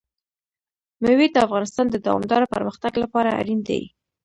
مېوې د افغانستان د دوامداره پرمختګ لپاره اړین دي.